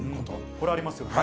これはありますよね。